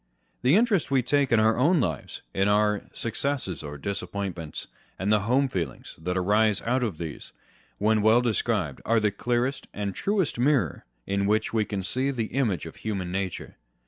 The interest we take in our own lives, in our successes or disappointments, and the Aowe feelings that arise out of these, when well described, are the clearest and truest mirror in which we can see the image of human nature.